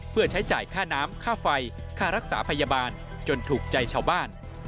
เพื่อใช้จ่ายค่าน้ำค่าไฟค่ารักษาพยาบาลจนถูกใจชาวบ้าน